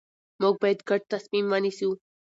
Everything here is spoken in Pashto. موږ باید ګډ تصمیم ونیسو